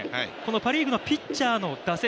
パ・リーグのピッチャーの打席